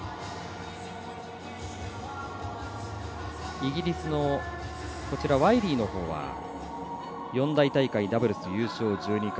イギリスのワイリーのほうは四大大会ダブルス優勝１２回。